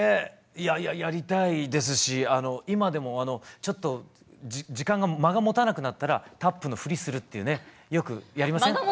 やりたいですし今でもちょっと時間が間が持たなくなったらタップの振りするっていうねよくやりません？